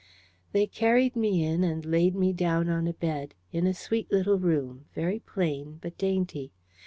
They carried me in, and laid me down on a bed, in a sweet little room, very plain but dainty.